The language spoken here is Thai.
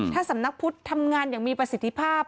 ถ้าสำนักพุทธทำงานอย่างมีประสิทธิภาพ